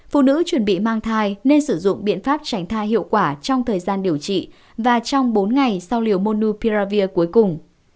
phụ nữ chuẩn bị mang thai nên sử dụng biện pháp tránh thai hiệu quả trong thời gian điều trị và trong bốn ngày sau liều monupiravir cuối cùng